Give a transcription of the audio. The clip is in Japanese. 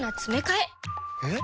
えっ？